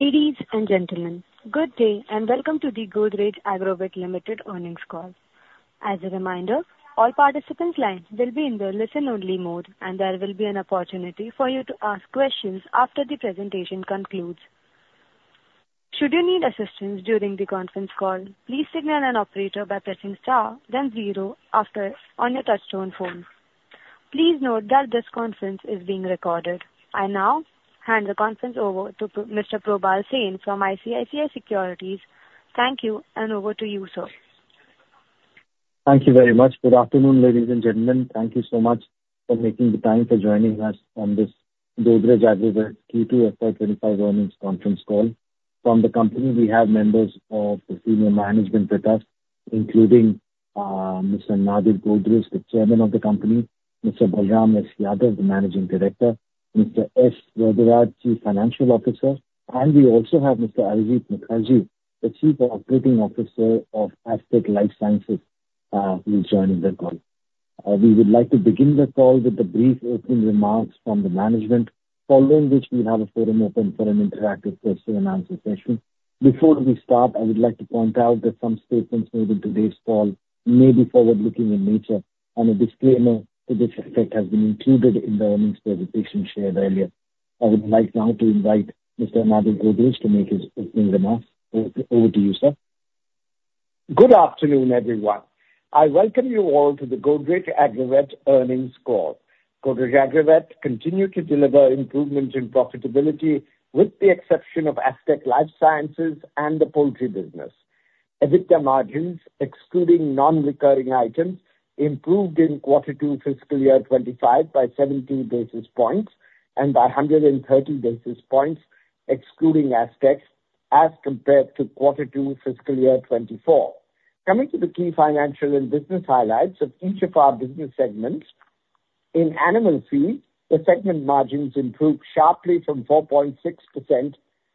Ladies and gentlemen, good day and welcome to the Godrej Agrovet Limited earnings call. As a reminder, all participants' lines will be in the listen-only mode, and there will be an opportunity for you to ask questions after the presentation concludes. Should you need assistance during the conference call, please signal an operator by pressing star, then zero on your touchtone phone. Please note that this conference is being recorded. I now hand the conference over to Mr. Prabal Singh from ICICI Securities. Thank you, and over to you, sir. Thank you very much. Good afternoon, ladies and gentlemen. Thank you so much for making the time for joining us on this Godrej Agrovet Q2 FY 2025 earnings conference call. From the company, we have members of the senior management with us, including Mr. Nadir Godrej, the Chairman of the company, Mr. Balram S. Yadav, the Managing Director, Mr. S. Varadaraj, Chief Financial Officer, and we also have Mr. Arijit Mukherjee, the Chief Operating Officer of Astec LifeSciences, who is joining the call. We would like to begin the call with a brief opening remark from the management, following which we have a forum open for an interactive question-and-answer session. Before we start, I would like to point out that some statements made in today's call may be forward-looking in nature, and a disclaimer to this effect has been included in the earnings presentation shared earlier. I would like now to invite Mr. Nadir Godrej to make his opening remarks. Over to you, sir. Good afternoon, everyone. I welcome you all to the Godrej Agrovet earnings call. Godrej Agrovet continues to deliver improvements in profitability, with the exception of Astec LifeSciences and the poultry business. EBITDA margins, excluding non-recurring items, improved in Q2 Fiscal Year 2025 by 17 basis points and by 130 basis points, excluding Astec LifeSciences, as compared to Q2 Fiscal Year 2024. Coming to the key financial and business highlights of each of our business segments, in animal feed, the segment margins improved sharply from 4.6%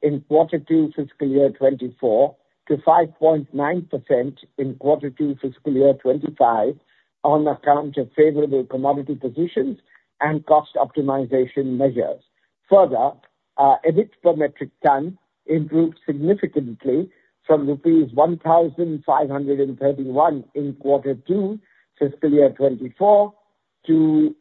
in Q2 Fiscal Year 2024 to 5.9% in Q2 Fiscal Year 2025 on account of favorable commodity positions and cost optimization measures. Further, EBIT per metric ton improved significantly from rupees 1,531 in Q2 Fiscal Year 2024 to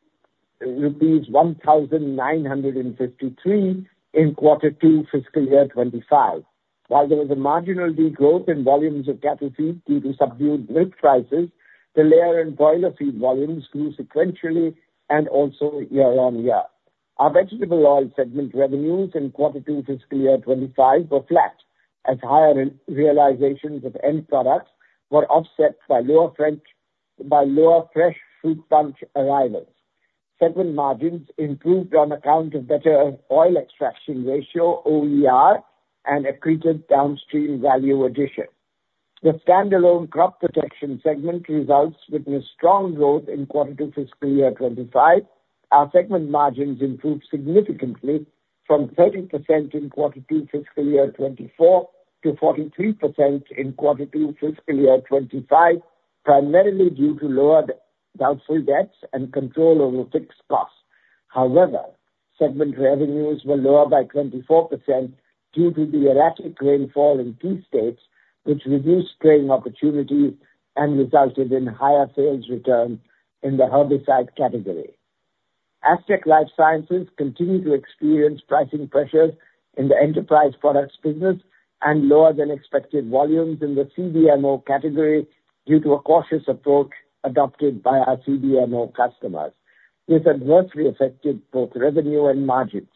rupees 1,953 in Q2 Fiscal Year 2025. While there was a marginal degrowth in volumes of cattle feed due to subdued milk prices, the layer and broiler feed volumes grew sequentially and also year-on-year. Our vegetable oil segment revenues in Q2 Fiscal Year 2025 were flat, as higher realizations of end products were offset by lower fresh fruit bunches arrivals. Segment margins improved on account of better oil extraction ratio, OER, and accretive downstream value addition. The standalone crop protection segment results witnessed strong growth in Q2 Fiscal Year 2025. Our segment margins improved significantly from 30% in Q2 Fiscal Year 2024 to 43% in Q2 Fiscal Year 2025, primarily due to lowered doubtful debts and control over fixed costs. However, segment revenues were lower by 24% due to the erratic rainfall in key states, which reduced trade opportunities and resulted in higher sales returns in the herbicide category. Astec LifeSciences continued to experience pricing pressures in the enterprise products business and lower-than-expected volumes in the CDMO category due to a cautious approach adopted by our CDMO customers. This adversely affected both revenue and margins.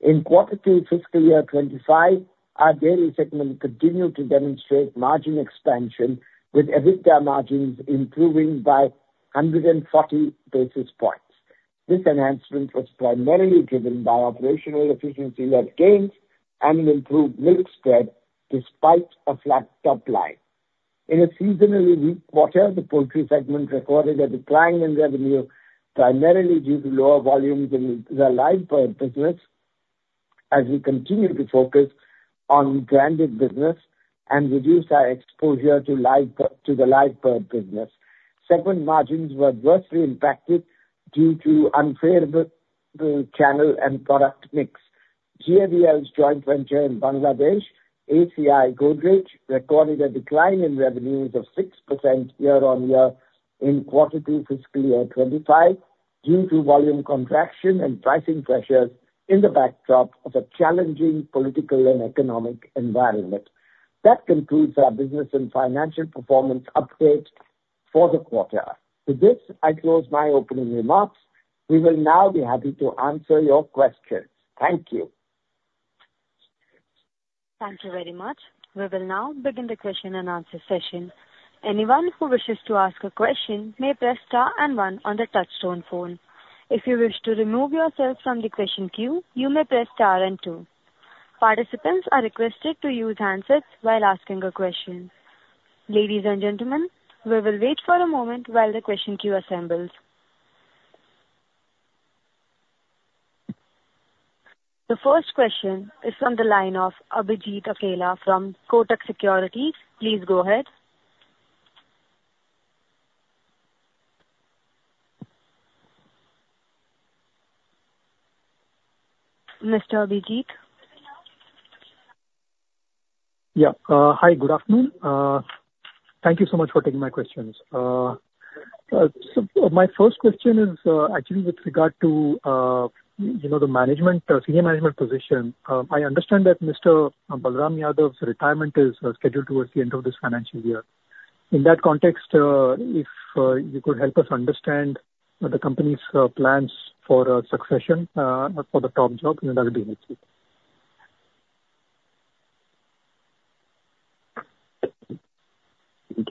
In Q2 Fiscal Year 2025, our dairy segment continued to demonstrate margin expansion, with EBITDA margins improving by 140 basis points. This enhancement was primarily driven by operational efficiency-led gains and an improved milk spread despite a flat-top line. In a seasonally weak quarter, the poultry segment recorded a decline in revenue, primarily due to lower volumes in the live-bird business, as we continued to focus on branded business and reduce our exposure to the live-bird business. Segment margins were adversely impacted due to unfavorable channel and product mix. GAVL's joint venture in Bangladesh, ACI Godrej, recorded a decline in revenues of 6% year-on-year in Q2 Fiscal Year 2025 due to volume contraction and pricing pressures in the backdrop of a challenging political and economic environment. That concludes our business and financial performance update for the quarter. With this, I close my opening remarks. We will now be happy to answer your questions. Thank you. Thank you very much. We will now begin the question-and-answer session. Anyone who wishes to ask a question may press star and one on the touch-tone phone. If you wish to remove yourself from the question queue, you may press star and two. Participants are requested to use handsets while asking a question. Ladies and gentlemen, we will wait for a moment while the question queue assembles. The first question is from the line of Abhijit Akella from Kotak Securities. Please go ahead. Mr. Abhijit. Yeah. Hi, good afternoon. Thank you so much for taking my questions. My first question is actually with regard to the management, senior management position. I understand that Mr. Balram Yadav's retirement is scheduled towards the end of this financial year. In that context, if you could help us understand the company's plans for succession for the top job, that would be helpful.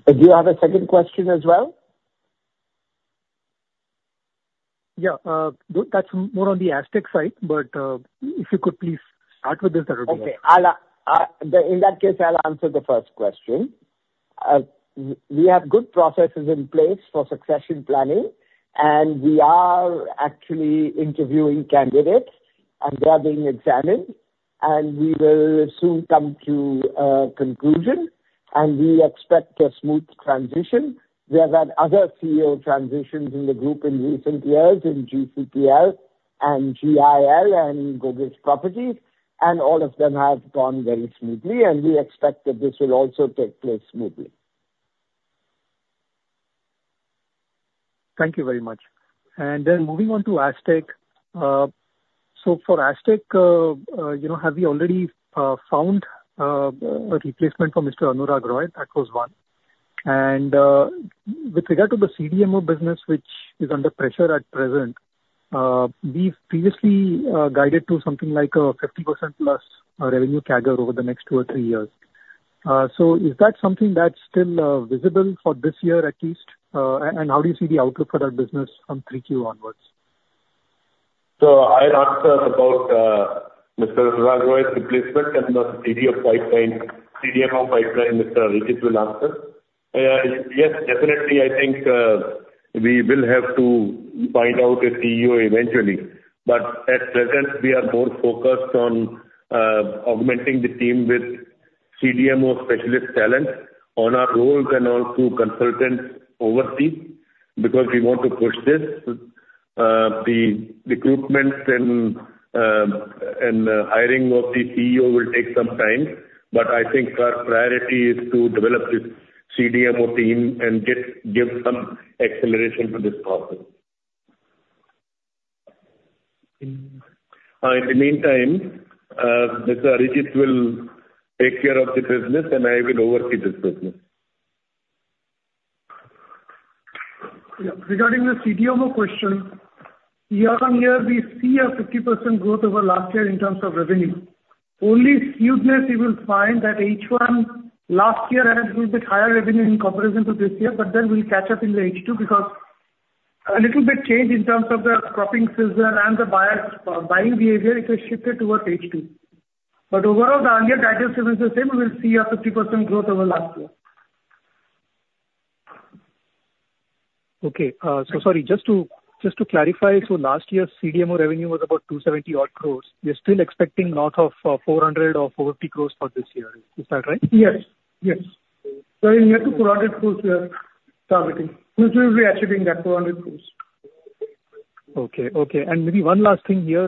Do you have a second question as well? Yeah. That's more on the Astec side, but if you could please start with this, that would be helpful. Okay. In that case, I'll answer the first question. We have good processes in place for succession planning, and we are actually interviewing candidates, and they are being examined, and we will soon come to a conclusion. And we expect a smooth transition. There have been other CEO transitions in the group in recent years in GCPL and GIL and Godrej Properties, and all of them have gone very smoothly, and we expect that this will also take place smoothly. Thank you very much. And then moving on to Astec. So for Astec, have we already found a replacement for Mr. Anurag Roy? That was one. And with regard to the CDMO business, which is under pressure at present, we've previously guided to something like a 50% plus revenue CAGR over the next two or three years. So is that something that's still visible for this year at least? And how do you see the outlook for that business from Q3 onwards? I'll answer about Mr. Anurag Roy's replacement and the CDMO pipeline. Mr. Arijit will answer. Yes, definitely, I think we will have to find a CEO eventually. At present, we are more focused on augmenting the team with CDMO specialist talent on our roles and also consultants overseas because we want to push this. The recruitment and hiring of the CEO will take some time, but I think our priority is to develop this CDMO team and give some acceleration to this process. In the meantime, Mr. Arijit will take care of the business, and I will oversee this business. Yeah. Regarding the CDMO question, year-on-year, we see a 50% growth over last year in terms of revenue. Only skewness, you will find that H1 last year had a little bit higher revenue in comparison to this year, but then we'll catch up in the H2 because a little bit changed in terms of the cropping season and the buying behavior. It has shifted towards H2. But overall, the earlier data still is the same. We will see a 50% growth over last year. Okay. So sorry, just to clarify, so last year's CDMO revenue was about 270-odd crores. We're still expecting north of 400 crores or 450 crores for this year. Is that right? Yes. Yes. We have to put 100 crores here. Targeting. We'll be achieving that, 400 crores. Okay. Okay, and maybe one last thing here.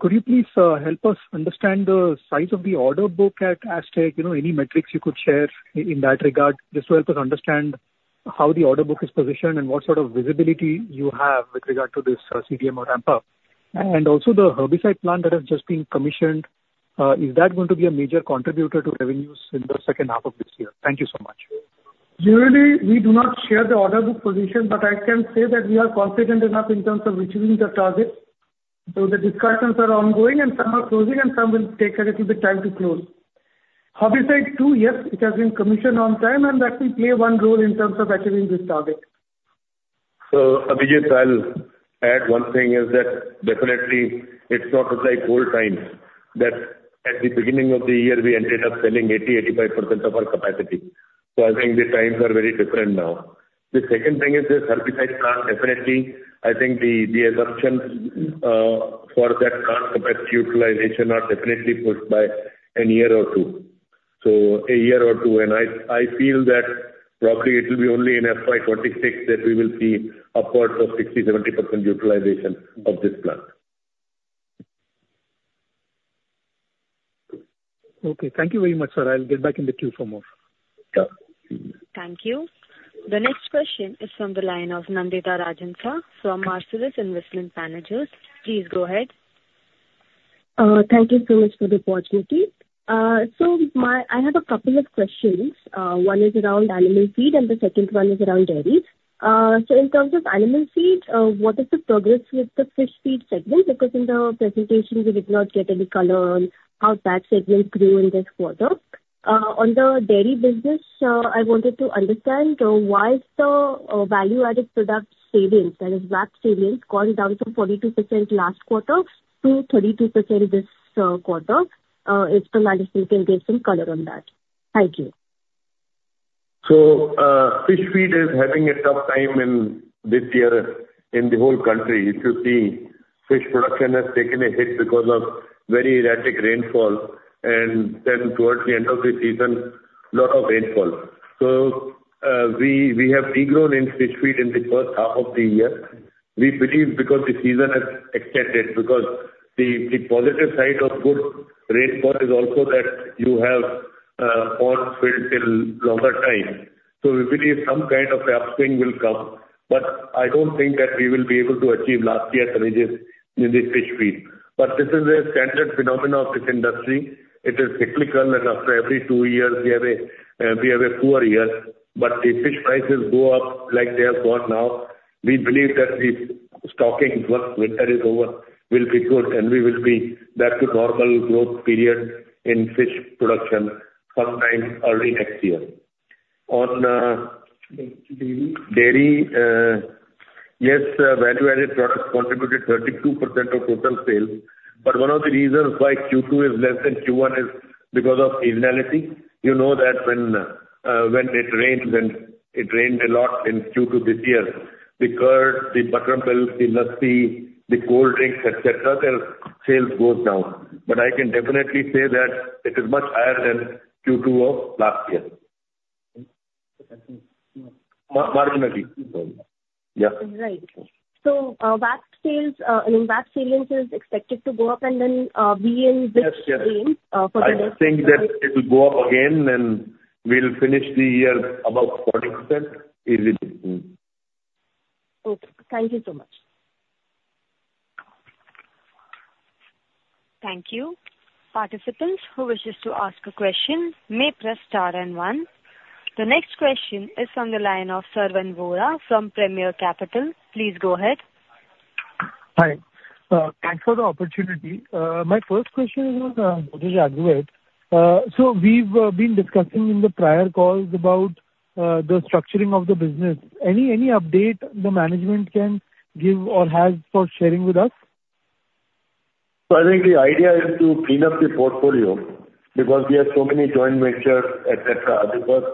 Could you please help us understand the size of the order book at Astec? Any metrics you could share in that regard just to help us understand how the order book is positioned and what sort of visibility you have with regard to this CDMO ramp-up? And also, the herbicide plant that has just been commissioned, is that going to be a major contributor to revenues in the second half of this year? Thank you so much. Generally, we do not share the order book position, but I can say that we are confident enough in terms of reaching the target, so the discussions are ongoing, and some are closing, and some will take a little bit of time to close. Herbicide too, yes, it has been commissioned on time, and that will play one role in terms of achieving this target. So, Abhijit, I'll add one thing is that definitely it's not like old times that at the beginning of the year we ended up selling 80%-85% of our capacity. So, I think the times are very different now. The second thing is this herbicide plant, definitely I think the assumptions for that plant capacity utilization are definitely pushed by a year or two. So, a year or two, and I feel that probably it will be only in FY 2026 that we will see upwards of 60%-70% utilization of this plant. Okay. Thank you very much, sir. I'll get back in the queue for more. Yeah. Thank you. The next question is from the line of Nandita Rajhansa from Marcellus Investment Managers. Please go ahead. Thank you so much for the opportunity. So, I have a couple of questions. One is around animal feed, and the second one is around dairy. So, in terms of animal feed, what is the progress with the fish feed segment? Because in the presentation, we did not get any color on how that segment grew in this quarter. On the dairy business, I wanted to understand why the VAP salience gone down from 42% last quarter to 32% this quarter? If the management can give some color on that. Thank you. So fish feed is having a tough time in this year in the whole country. If you see, fish production has taken a hit because of very erratic rainfall, and then towards the end of the season, a lot of rainfall. So we have degrown in fish feed in the first half of the year. We believe because the season has extended, because the positive side of good rainfall is also that you have ponds filled till longer time. So we believe some kind of upswing will come, but I don't think that we will be able to achieve last year's ranges in the fish feed. But this is a standard phenomenon of this industry. It is cyclical, and after every two years, we have a poor year. But the fish prices go up like they have gone now. We believe that the stocking, once winter is over, will be good, and we will be back to normal growth period in fish production sometime early next year. On dairy, yes, value-added product contributed 32% of total sales. But one of the reasons why Q2 is less than Q1 is because of seasonality. You know that when it rained, and it rained a lot in Q2 this year, the curd, the buttermilk, the nuts, the cold drinks, etc., their sales go down. But I can definitely say that it is much higher than Q2 of last year. Marginally. Yeah. Right. So VAP salience is expected to go up and then be in this range for the next year? Yes. I think that it will go up again, and we'll finish the year about 40% easily. Okay. Thank you so much. Thank you. Participants who wishes to ask a question may press star and one. The next question is from the line of Savan Vora from Premier Capital. Please go ahead. Hi. Thanks for the opportunity. My first question is on Godrej Agrovet. So we've been discussing in the prior calls about the structuring of the business. Any update the management can give or has for sharing with us? So I think the idea is to clean up the portfolio because we have so many joint ventures, etc., because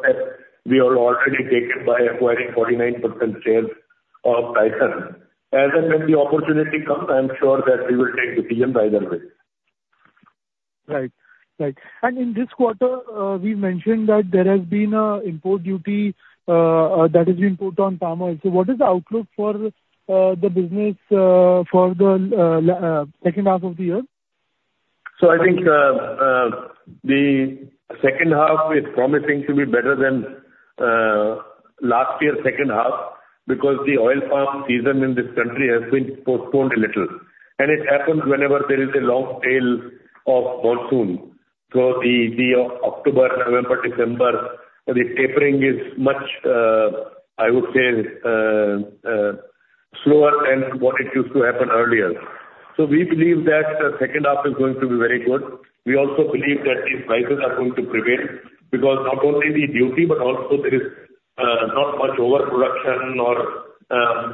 we are already taken by acquiring 49% shares of Tyson. And then when the opportunity comes, I'm sure that we will take decisions either way. Right. Right. And in this quarter, we mentioned that there has been an import duty that has been put on farmers. So what is the outlook for the business for the second half of the year? So I think the second half is promising to be better than last year's second half because the oil palm season in this country has been postponed a little. And it happens whenever there is a long tail of monsoon. So the October, November, December, the tapering is much, I would say, slower than what it used to happen earlier. So we believe that the second half is going to be very good. We also believe that these prices are going to prevail because not only the duty, but also there is not much overproduction or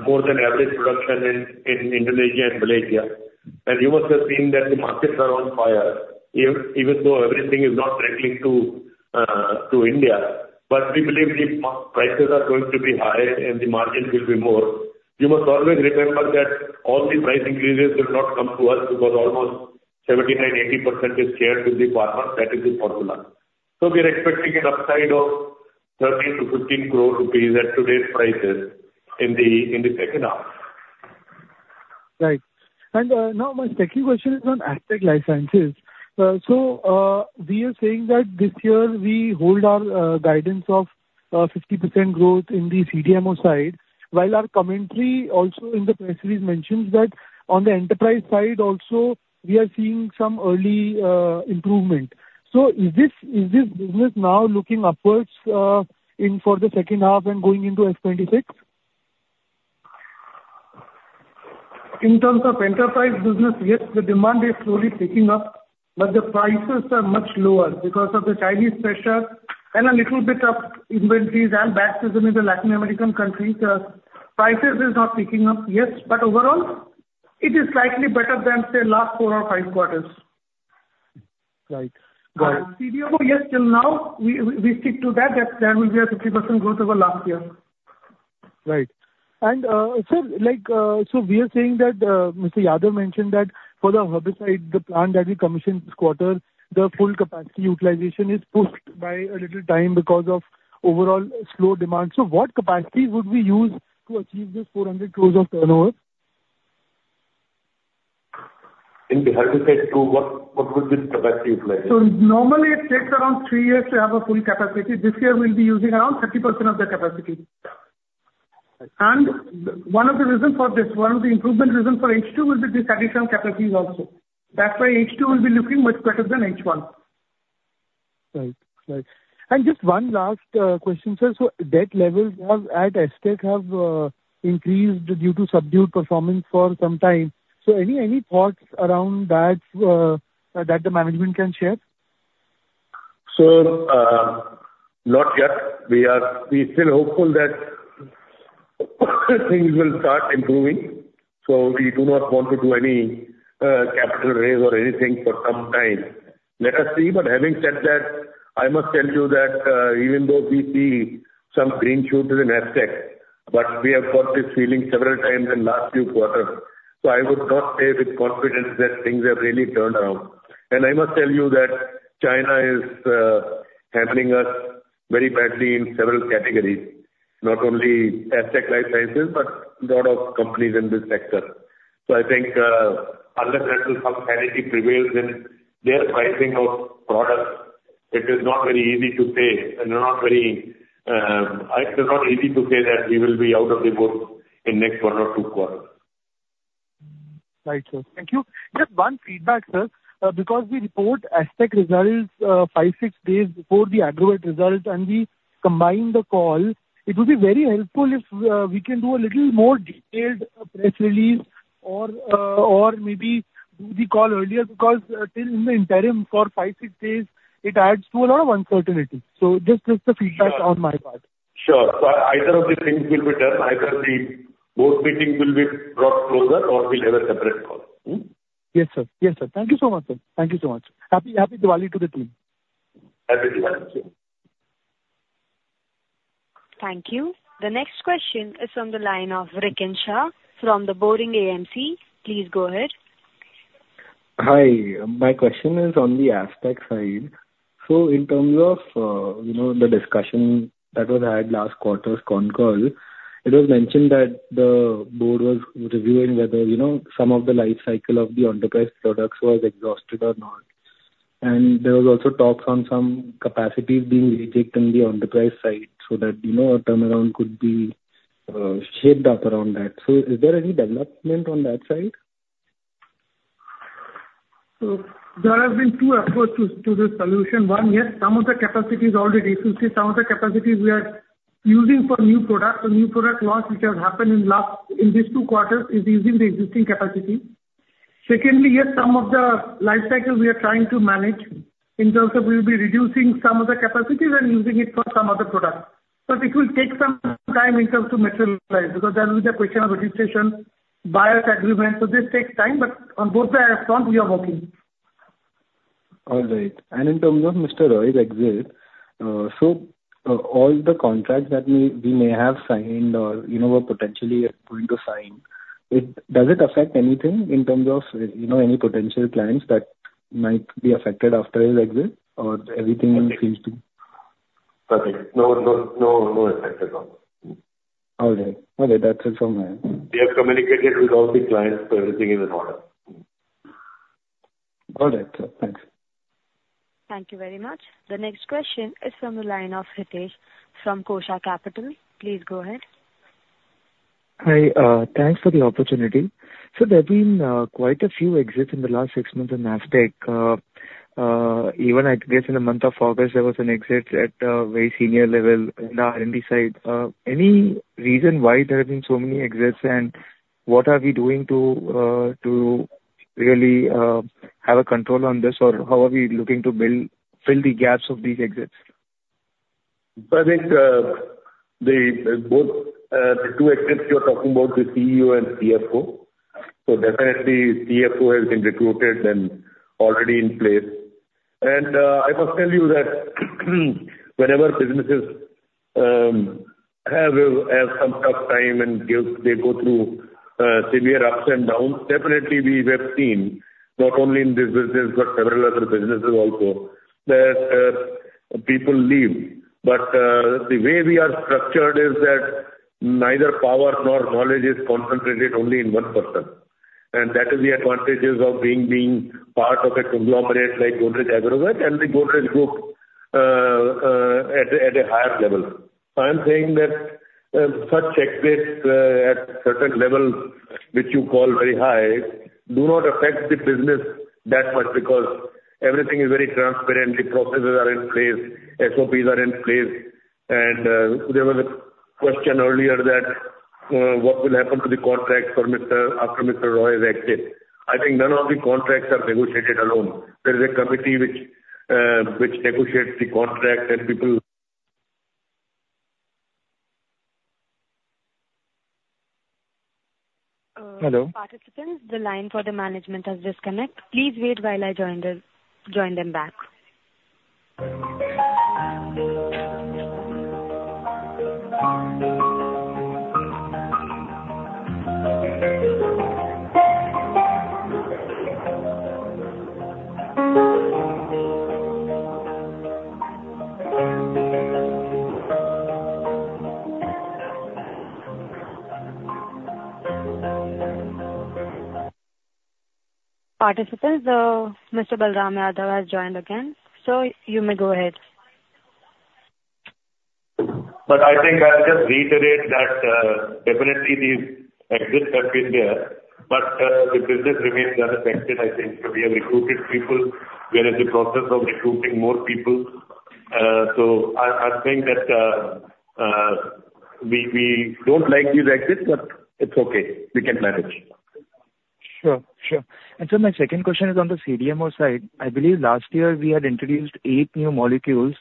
more than average production in Indonesia and Malaysia. And you must have seen that the markets are on fire, even though everything is not trickling to India. But we believe the prices are going to be higher, and the margins will be more. You must always remember that all the price increases will not come to us because almost 79%-80% is shared with the farmers. That is the formula. So we are expecting an upside of 13 crore- 15 crore rupees at today's prices in the second half. Right. And now my second question is on Astec LifeSciences. So we are saying that this year we hold our guidance of 50% growth in the CDMO side, while our commentary also in the press release mentions that on the enterprise side also, we are seeing some early improvement. So is this business now looking upwards for the second half and going into FY 2026? In terms of enterprise business, yes, the demand is slowly picking up, but the prices are much lower because of the Chinese pressure and a little bit of inventories and back to the Latin American countries. Prices are not picking up, yes, but overall, it is slightly better than the last four or five quarters. Right. CDMO, yes, till now, we stick to that. That will be a 50% growth over last year. Right. And sir, so we are saying that Mr. Yadav mentioned that for the herbicide, the plant that we commissioned this quarter, the full capacity utilization is pushed by a little time because of overall slow demand. So what capacity would we use to achieve this 400 crores of turnover? In the herbicide too, what would be the capacity utilization? So normally, it takes around three years to have a full capacity. This year, we'll be using around 30% of the capacity. And one of the reasons for this, one of the improvement reasons for H2 will be this additional capacity also. That's why H2 will be looking much better than H1. Right. Right. And just one last question, sir. So debt levels at Astec have increased due to subdued performance for some time. So any thoughts around that that the management can share? Sir, not yet. We are still hopeful that things will start improving. So we do not want to do any capital raise or anything for some time. Let us see. But having said that, I must tell you that even though we see some green shoots in Astec, but we have got this feeling several times in the last few quarters. So I would not say with confidence that things have really turned around. And I must tell you that China is hurting us very badly in several categories, not only Astec LifeSciences, but a lot of companies in this sector. So I think unless a little rationality prevails in their pricing of products, it is not very easy to say that we will be out of the woods in the next one or two quarters. Right. Sir, thank you. Just one feedback, sir. Because we report Astec results five, six days before the Agrovet results, and we combine the call, it would be very helpful if we can do a little more detailed press release or maybe do the call earlier because till in the interim for five, six days, it adds to a lot of uncertainty. So just the feedback on my part. Sure. So either of these things will be done. Either the board meeting will be brought closer or we'll have a separate call. Yes, sir. Yes, sir. Thank you so much, sir. Thank you so much. Happy Diwali to the team. Happy Diwali. Thank you. The next question is from the line of Rikin Shah from The Boring AMC. Please go ahead. Hi. My question is on the Astec side. So in terms of the discussion that was had last quarter's con call, it was mentioned that the board was reviewing whether some of the life cycle of the enterprise products was exhausted or not. And there were also talks on some capacity being rejected on the enterprise side so that a turnaround could be shaped up around that. So is there any development on that side? So, there have been two efforts to the solution. One, yes, some of the capacity is already issued. Some of the capacity we are using for new products. The new product loss, which has happened in these two quarters, is using the existing capacity. Secondly, yes, some of the life cycle we are trying to manage in terms of we'll be reducing some of the capacity and using it for some other products. But it will take some time in terms of materialize because there will be the question of registration, buyer's agreement. So this takes time, but on both the front, we are working. All right. And in terms of Mr. Roy's exit, so all the contracts that we may have signed or we're potentially going to sign, does it affect anything in terms of any potential clients that might be affected after his exit or everything seems to? Nothing. No, no effect at all. All right. All right. That's it from my end. We have communicated with all the clients, so everything is in order. All right, sir. Thanks. Thank you very much. The next question is from the line of Hitesh from Kosha Capital. Please go ahead. Hi. Thanks for the opportunity. So there have been quite a few exits in the last six months in Astec. Even I guess in the month of August, there was an exit at a very senior level in the R&D side. Any reason why there have been so many exits, and what are we doing to really have a control on this, or how are we looking to fill the gaps of these exits? I think both the two exits you're talking about, the CEO and CFO. Definitely, the CFO has been recruited and already in place. I must tell you that whenever businesses have some tough time and they go through severe ups and downs, definitely, we have seen not only in this business but several other businesses also that people leave. The way we are structured is that neither power nor knowledge is concentrated only in one person. That is the advantage of being part of a conglomerate like Godrej Agrovet and the Godrej Group at a higher level. I'm saying that such exits at certain levels, which you call very high, do not affect the business that much because everything is very transparent. The processes are in place. SOPs are in place. There was a question earlier that what will happen to the contracts after Mr. Roy's exit. I think none of the contracts are negotiated alone. There is a committee which negotiates the contract and people. Hello? Participants, the line for the management has disconnected. Please wait while I join them back. Participants, Mr. Balram Yadav has joined again. So you may go ahead. But I think I'll just reiterate that definitely the exits have been there, but the business remains unaffected. I think we have recruited people. There is a process of recruiting more people. So I think that we don't like these exits, but it's okay. We can manage. Sure. Sure. And sir, my second question is on the CDMO side. I believe last year we had introduced eight new molecules.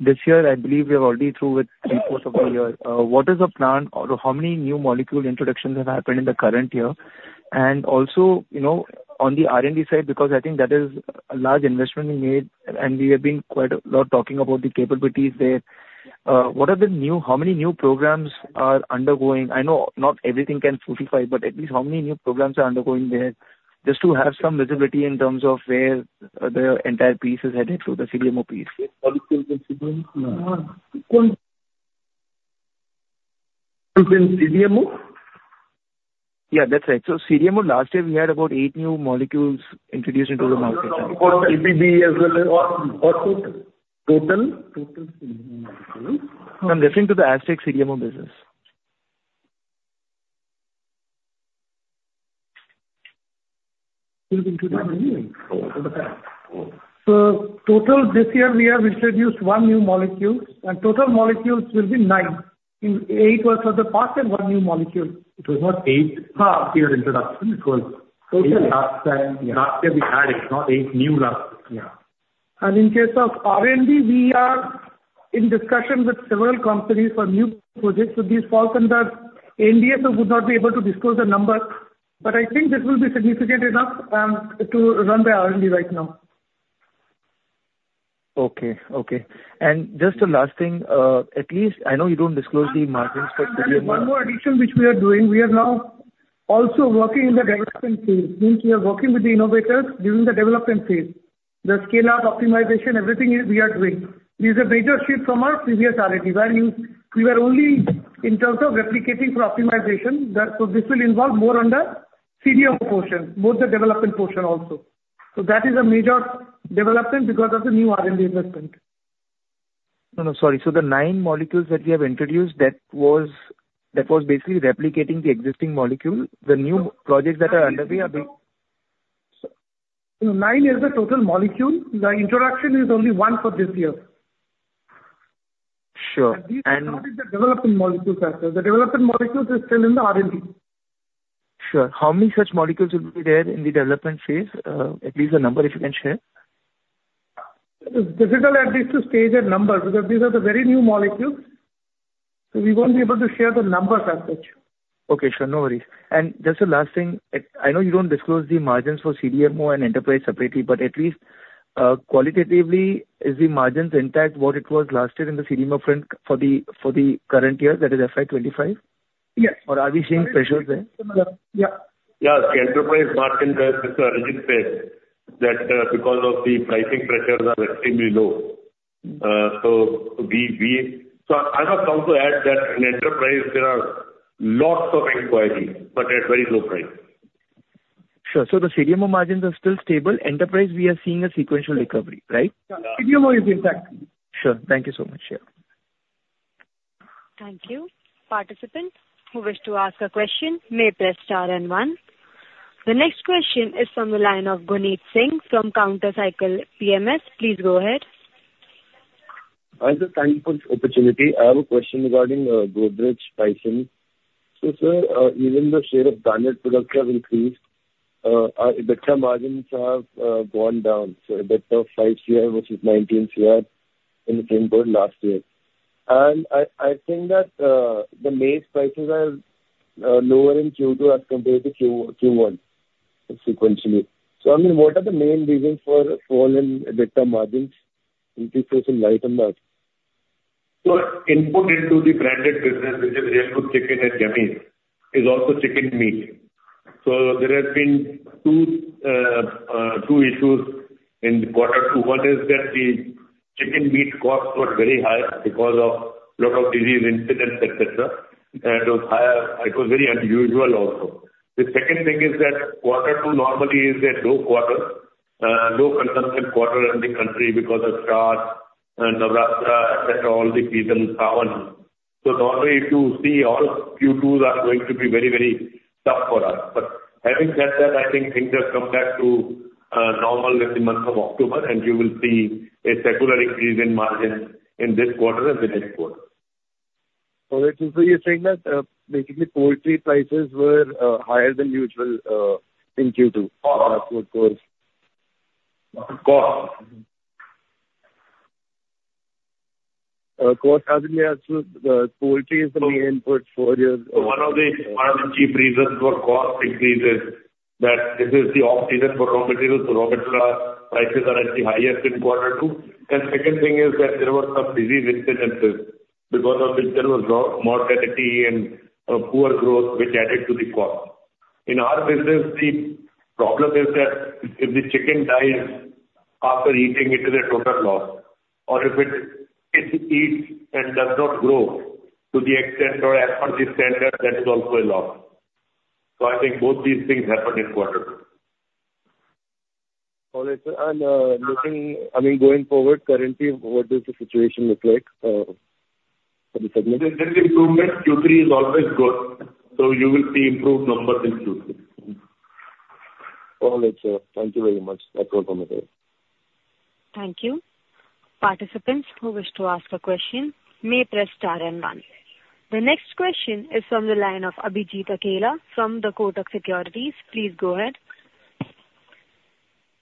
This year, I believe we are already through with three-fourths of the year. What is the plan or how many new molecule introductions have happened in the current year? And also on the R&D side, because I think that is a large investment we made, and we have been quite a lot talking about the capabilities there. What are the new how many new programs are undergoing? I know not everything can be fully disclosed, but at least how many new programs are undergoing there just to have some visibility in terms of where the entire piece is headed through the CDMO piece? In CDMO? Yeah, that's right. So CDMO, last year, we had about eight new molecules introduced into the market. For CDMO as well as. Or total? Total CDMO molecules. I'm referring to the Astec CDMO business. So total this year, we have introduced one new molecule, and total molecules will be nine. Eight was for the past and one new molecule. It was not a last year's introduction. It was. Last year. Last year, we had it, not eight new last year. Yeah, and in case of R&D, we are in discussion with several companies for new projects with these folks, and the NDA would not be able to disclose the number, but I think this will be significant enough to run the R&D right now. Okay. And just the last thing, at least I know you don't disclose the margins, but. One more addition which we are doing. We are now also working in the development phase. I mean, we are working with the innovators during the development phase. The scale-out optimization, everything we are doing. These are major shifts from our previous R&D values. We were only in terms of replicating for optimization. So this will involve more on the CDMO portion, both the development portion also. So that is a major development because of the new R&D investment. No, no. Sorry. So the nine molecules that we have introduced, that was basically replicating the existing molecule. The new projects that are underway are being. Nine is the total molecule. The introduction is only one for this year. Sure. And. These are not in the development molecules, sir. The development molecules are still in the R&D. Sure. How many such molecules will be there in the development phase? At least the number, if you can share. It is difficult at this stage to state a number because these are the very new molecules. So we won't be able to share the numbers as such. Okay. Sure. No worries. And just the last thing, I know you don't disclose the margins for CDMO and enterprise separately, but at least qualitatively, is the margins intact what it was last year in the CDMO front for the current year, that is FY 2025? Yes. Or are we seeing pressures there? Yeah. Yeah. The enterprise margin is legitimately low because the pricing pressures are extremely low. So I must also add that in enterprise, there are lots of inquiries, but at very low price. Sure. So the CDMO margins are still stable. Enterprise, we are seeing a sequential recovery, right? CDMO is intact. Sure. Thank you so much. Yeah. Thank you. Participants who wish to ask a question may press star and one. The next question is from the line of Gunit Singh from Counter Cyclical PMS. Please go ahead. I just thank you for this opportunity. I have a question regarding Godrej Tyson. So, sir, even though share of branded products have increased, our EBITDA margins have gone down. So, EBITDA of 5 crore versus 19 crore in the same period last year. And I think that the maize prices are lower in Q2 as compared to Q1 sequentially. So, I mean, what are the main reasons for fall in EBITDA margins in this recent light and mass? So, input into the branded business, which is Real Good Chicken and Yummiez, is also chicken meat. So, there have been two issues in quarter two. One is that the chicken meat costs were very high because of a lot of disease incidents, etc. And it was very unusual also. The second thing is that quarter two normally is a low quarter, low consumption quarter in the country because of Shravan, Navratri, etc., all the seasonal travel. So normally, if you see all Q2s are going to be very, very tough for us. But having said that, I think things have come back to normal in the month of October, and you will see a secular increase in margins in this quarter and the next quarter. All right. So you're saying that basically poultry prices were higher than usual in Q2 because. Cost. Cost has been there. So poultry is the main input for your. So one of the chief reasons for cost increase is that this is the off-season for raw materials. So raw material prices are at the highest in quarter two. And second thing is that there were some disease incidences because of which there was more deadly and poor growth, which added to the cost. In our business, the problem is that if the chicken dies after eating, it is a total loss. Or if it eats and does not grow to the extent or as far as the standard, that is also a loss. So I think both these things happened in quarter two. All right. Looking, I mean, going forward, currently, what does the situation look like for the segment? There's an improvement. Q3 is always good. So you will see improved numbers in Q3. All right, sir. Thank you very much. That's all from my side. Thank you. Participants who wish to ask a question may press star and one. The next question is from the line of Abhijit Akella from the Kotak Securities. Please go ahead.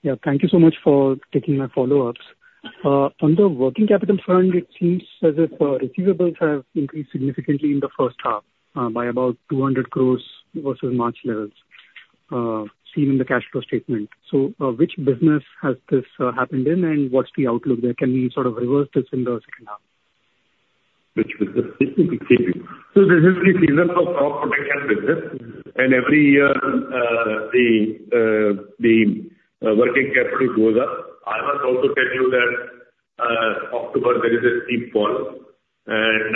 Yeah. Thank you so much for taking my follow-ups. On the working capital front, it seems as if receivables have increased significantly in the first half by about 200 crores versus March levels seen in the cash flow statement. So which business has this happened in, and what's the outlook there? Can we sort of reverse this in the second half? Which business? This is the receivables. So this is the seasonal crop protection business. And every year, the working capital goes up. I must also tell you that October, there is a steep fall. And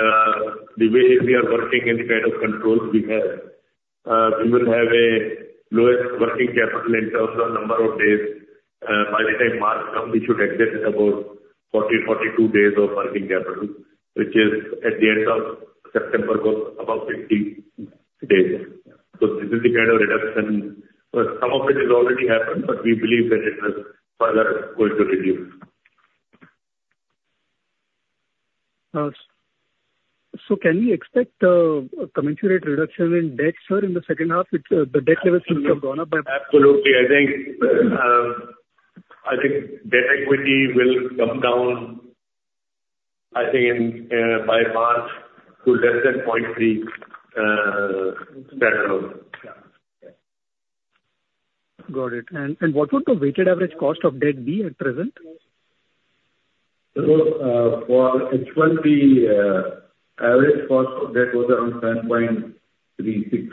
the way we are working and the kind of controls we have, we will have the lowest working capital in terms of number of days. By the time March comes, we should exit at about 40-42 days of working capital, which is at the end of September, about 50 days. So this is the kind of reduction. Some of it has already happened, but we believe that it is further going to reduce. So can we expect a commensurate reduction in debt, sir, in the second half? The debt levels seem to have gone up by. Absolutely. I think debt equity will come down, I think, by March to less than 0.3. Got it. And what would the weighted average cost of debt be at present? For H1, average cost of debt was around 7.36%.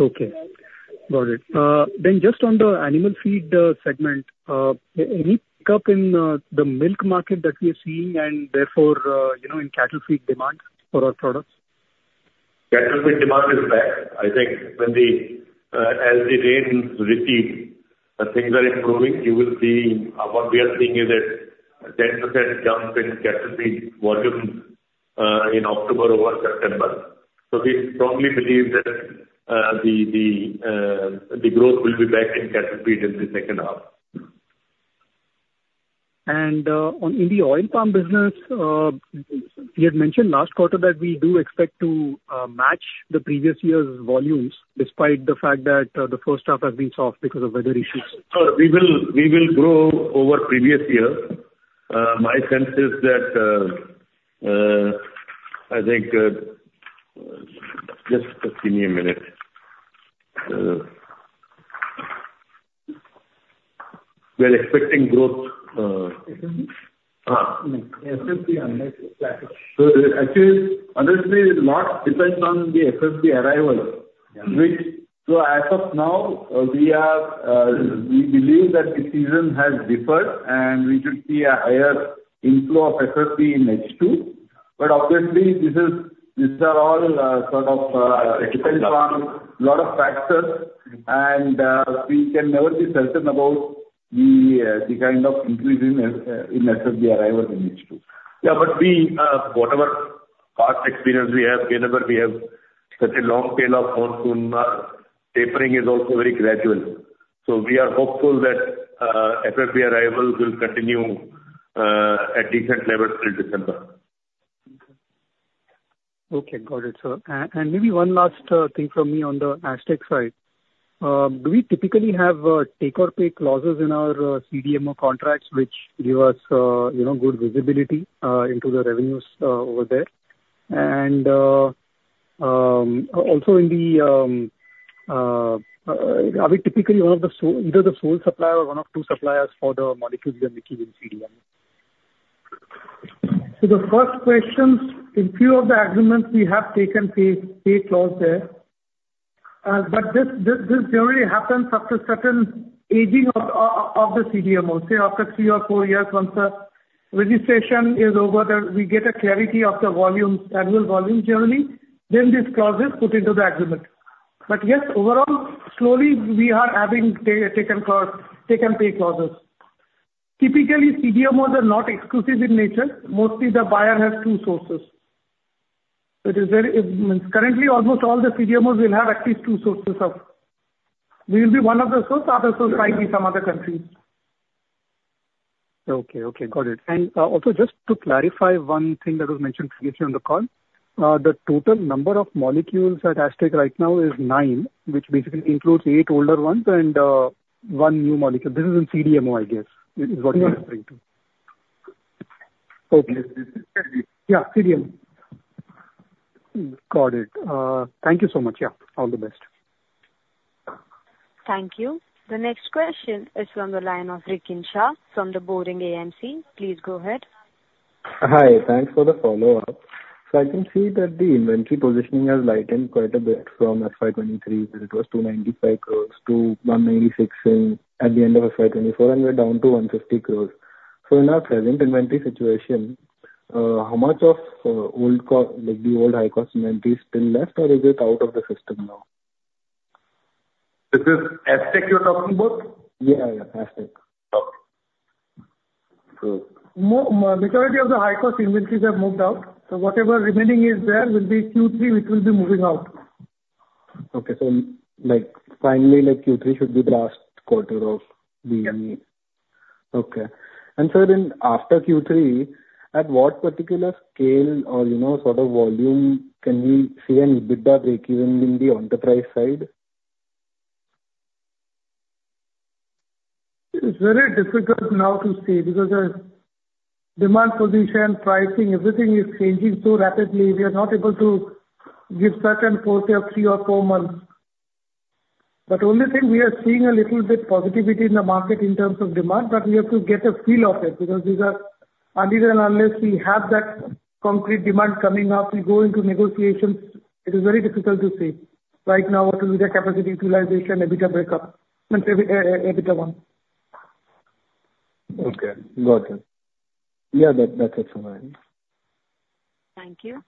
Okay. Got it. Then just on the animal feed segment, any pickup in the milk market that we are seeing and therefore in cattle feed demand for our products? Cattle feed demand is back. I think as the rains recede, things are improving. You will see what we are seeing is a 10% jump in cattle feed volume in October over September. So we strongly believe that the growth will be back in cattle feed in the second half. In the oil palm business, you had mentioned last quarter that we do expect to match the previous year's volumes despite the fact that the first half has been soft because of weather issues. So we will grow over previous year. My sense is that I think just give me a minute. We are expecting growth. FFB unless it's flat. So actually, honestly, it depends on the FFB arrival. So as of now, we believe that the season has deferred, and we should see a higher inflow of FFB in H2. But obviously, these are all sort of it depends on a lot of factors, and we can never be certain about the kind of increase in FFB arrival in H2. Yeah, but whatever past experience we have, whenever we have such a long tail of monsoon, tapering is also very gradual. So we are hopeful that FFB arrival will continue at decent levels till December. Okay. Got it, sir. And maybe one last thing from me on the Astec side. Do we typically have take-or-pay clauses in our CDMO contracts, which give us good visibility into the revenues over there? And also, are we typically one of the either the sole supplier or one of two suppliers for the molecules we are making in CDMO? So, the first questions, in a few of the agreements, we have take-or-pay clause there. But this generally happens after certain aging of the CDMO, say after three or four years, once the registration is over, that we get a clarity of the volumes, annual volumes generally, then these clauses put into the agreement. But yes, overall, slowly, we are having take-or-pay clauses. Typically, CDMOs are not exclusive in nature. Mostly, the buyer has two sources. Currently, almost all the CDMOs will have at least two sources or will be one of the sources after supplying in some other countries. Okay. Okay. Got it. And also just to clarify one thing that was mentioned previously on the call, the total number of molecules at Astec right now is nine, which basically includes eight older ones and one new molecule. This is in CDMO, I guess, is what you're referring to. Yes. Yeah, CDMO. Got it. Thank you so much. Yeah. All the best. Thank you. The next question is from the line of Rikin Shah from the Boring AMC. Please go ahead. Hi. Thanks for the follow-up. So, I can see that the inventory positioning has lightened quite a bit from FY 2023, where it was 295 crores to 196 crores at the end of FY 2024, and we're down to 150 crores. So in our present inventory situation, how much of the old high-cost inventory is still left, or is it out of the system now? This is Astec you're talking about? Yeah. Yeah. Astec. Okay. So majority of the high-cost inventories have moved out. So whatever remaining is there will be Q3, which will be moving out. Okay, so finally, Q3 should be the last quarter of the. Yes. Okay. And sir, then after Q3, at what particular scale or sort of volume can we see an EBITDA break even in the enterprise side? It's very difficult now to see because the demand position, pricing, everything is changing so rapidly. We are not able to give certain force of three or four months. But the only thing we are seeing a little bit positivity in the market in terms of demand, but we have to get a feel of it because these are uneven. Unless we have that concrete demand coming up, we go into negotiations, it is very difficult to see right now what will be the capacity utilization, EBITDA breakup, EBITDA one. Okay. Got it. Yeah, that's it from my end. Thank you.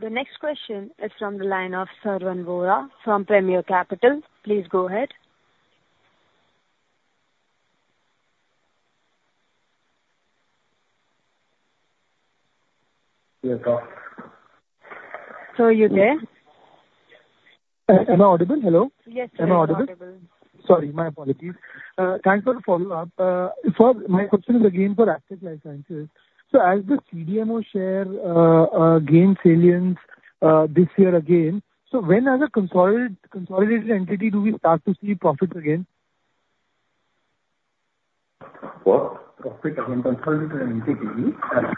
The next question is from the line of Savan Vora from Premier Capital. Please go ahead. Yes, sir. So are you there? Am I audible? Hello? Yes, you are audible. Sorry, my apologies. Thanks for the follow-up. Sir, my question is again for Astec LifeSciences. So as the CDMO share gains salience this year again, so when as a consolidated entity do we start to see profits again? What? Profit as a consolidated entity? Okay.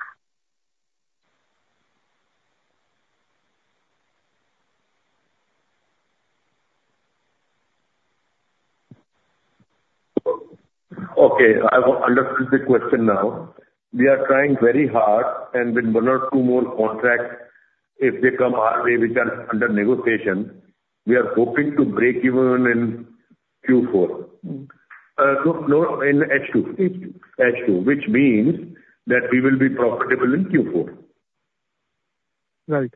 I will understand the question now. We are trying very hard, and with one or two more contracts, if they come our way, which are under negotiation, we are hoping to break even in Q4. No, in H2. H2. H2, which means that we will be profitable in Q4. Right.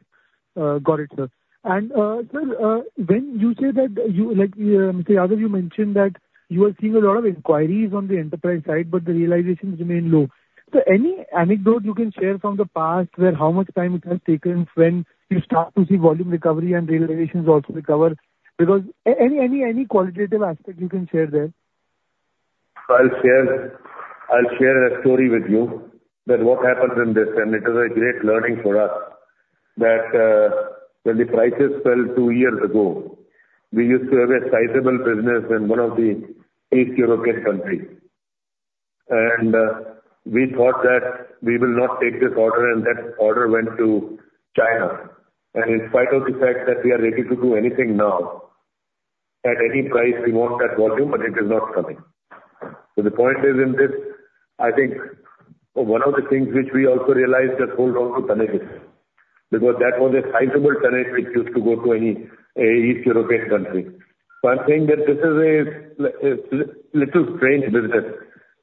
Got it, sir, and sir, when you say that you, Mr. Yadav, you mentioned that you are seeing a lot of inquiries on the enterprise side, but the realizations remain low, so any anecdote you can share from the past where how much time it has taken when you start to see volume recovery and realizations also recover? Because any qualitative aspect you can share there? I'll share a story with you that what happened in this, and it is a great learning for us, that when the prices fell two years ago, we used to have a sizable business in one of the Eastern European countries, and we thought that we will not take this order, and that order went to China. And in spite of the fact that we are ready to do anything now at any price, we want that volume, but it is not coming. So the point is in this, I think one of the things which we also realized just hold on to tonnages because that was a sizable tonnage which used to go to any Eastern European country. So I'm saying that this is a little strange business.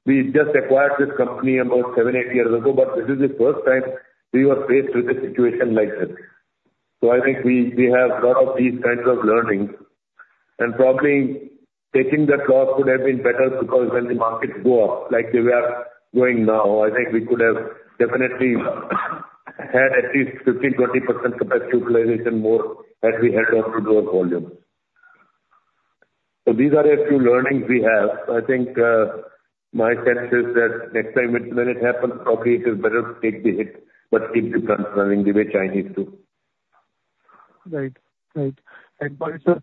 We just acquired this company about seven, eight years ago, but this is the first time we were faced with a situation like this. So I think we have a lot of these kinds of learnings. And probably taking that loss would have been better because when the markets go up like they are going now, I think we could have definitely had at least 15%-20% capacity utilization more as we head on to growth volumes. So these are a few learnings we have. I think my sense is that next time, when it happens, probably it is better to take the hit but keep the funds running the way Chinese do. Right. And sir,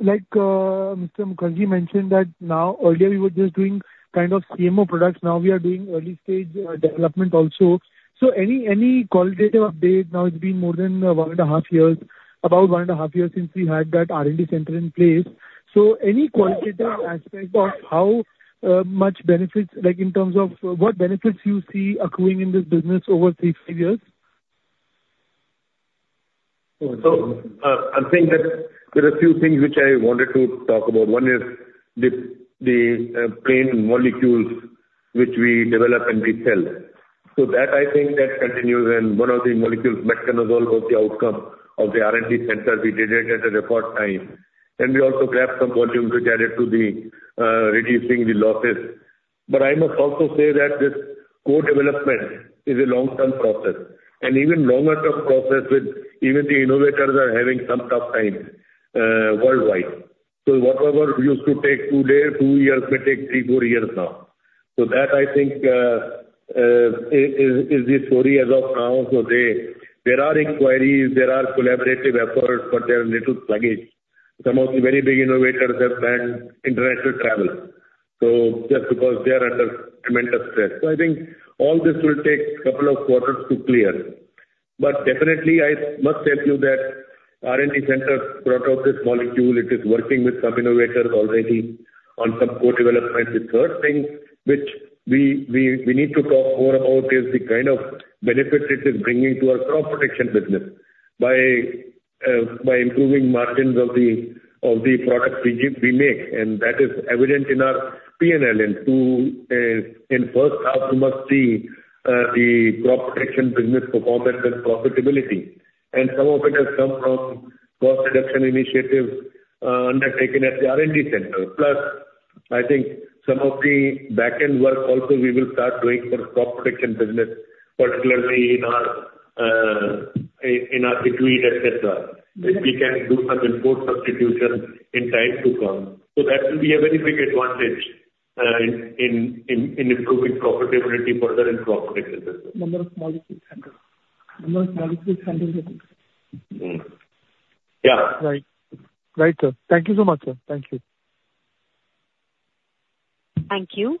like Mr. Mukherjee mentioned that now, earlier, we were just doing kind of CMO products. Now we are doing early-stage development also. So any qualitative update? Now it's been more than one and a half years, about one and a half years since we had that R&D center in place. So any qualitative aspect of how much benefits in terms of what benefits you see accruing in this business over three, five years? I'm saying that there are a few things which I wanted to talk about. One is the plain molecules which we develop and we sell. That, I think, continues. One of the molecules, metconazole, was the outcome of the R&D center. We did it at a record time. We also grabbed some volume to add it to reducing the losses. I must also say that this co-development is a long-term process. Even longer-term process, even the innovators are having some tough times worldwide. Whatever used to take two years may take three, four years now. That, I think, is the story as of now. There are inquiries. There are collaborative efforts, but there are little slippages. Some of the very big innovators have postponed international travel. Just because they are under tremendous stress. So I think all this will take a couple of quarters to clear. But definitely, I must tell you that R&D center brought out this molecule. It is working with some innovators already on some co-development. The third thing which we need to talk more about is the kind of benefit it is bringing to our crop protection business by improving margins of the products we make. And that is evident in our P&L in first half, you must see the crop protection business performance and profitability. And some of it has come from cost reduction initiatives undertaken at the R&D center. Plus, I think some of the back-end work also we will start doing for crop protection business, particularly in our benzene etc. We can do some import substitution in time to come. So that will be a very big advantage in improving profitability further in crop protection business. Number of molecules handled. Yeah. Right. Right, sir. Thank you so much, sir. Thank you. Thank you.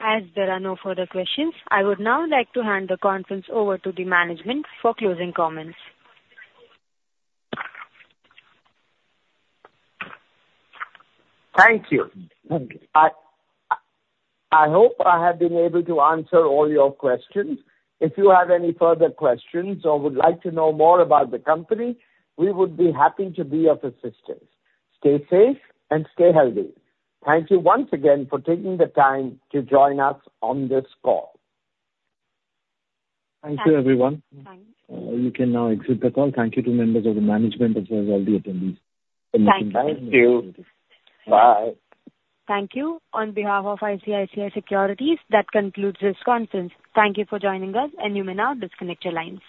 As there are no further questions, I would now like to hand the conference over to the management for closing comments. Thank you. I hope I have been able to answer all your questions. If you have any further questions or would like to know more about the company, we would be happy to be of assistance. Stay safe and stay healthy. Thank you once again for taking the time to join us on this call. Thank you, everyone. Thanks. You can now exit the call. Thank you to members of the management as well as all the attendees. Thank you. Bye. Thank you. On behalf of ICICI Securities, that concludes this conference. Thank you for joining us, and you may now disconnect your lines.